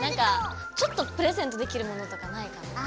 ちょっとプレゼントできるものとかないかな？